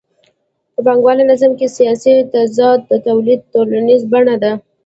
په پانګوالي نظام کې اساسي تضاد د تولید ټولنیزه بڼه ده